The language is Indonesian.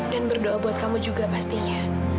dan berdoa buat kamu juga pastinya